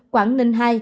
quảng ninh hai